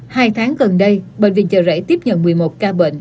hai tháng gần đây bệnh viện chợ rẫy tiếp nhận một mươi một ca bệnh